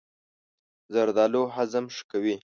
زردالو هضم ښه کوي.